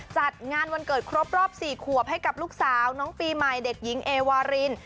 จัดงานวันเกิดครบรอบ๔ขวบให้กับลูกสาวน้องปีใหม่เด็กหญิงเอวาริน